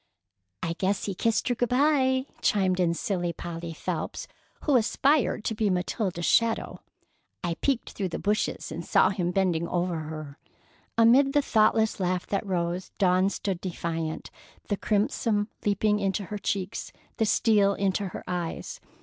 "I guess he kissed her good by," chimed in silly Polly Phelps, who aspired to be Matilda's shadow. "I peeked through the bushes and saw him bending over her." Amid the thoughtless laugh that rose, Dawn stood defiant, the crimson leaping into her cheeks, the steel into her eyes.